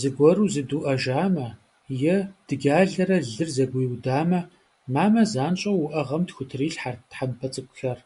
Зыгуэру зыдуӏэжамэ е дыджалэрэ лыр зэгуиудамэ, мамэ занщӏэу уӏэгъэм тхутрилъхьэрт тхьэмпэ цӏыкӏухэр.